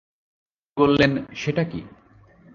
স্ত্রী বললেন, সেটা কি?